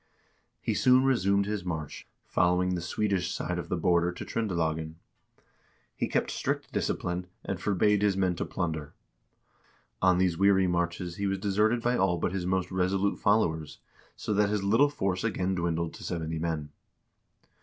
He soon resumed his march, following the Swedish side of the border to Tr0ndelagen. He kept strict discipline, and forbade his men to plunder. On these weary marches he was deserted by all but his most resolute followers, so that his little force again dwindled to seventy men.